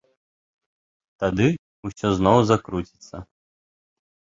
Тады ўсё зноў закруціцца!